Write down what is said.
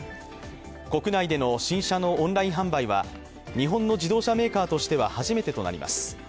国内での新車のオンライン販売は日本の自動車メーカーとしては初めてとなります。